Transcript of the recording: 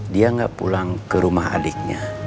dia nggak pulang ke rumah adiknya